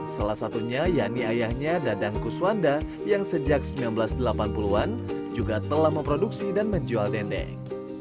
salah satunya yani ayahnya dadang kuswanda yang sejak seribu sembilan ratus delapan puluh an juga telah memproduksi dan menjual dendeng